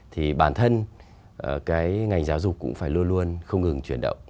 thì bản thân cái ngành giáo dục cũng phải luôn luôn không ngừng chuyển động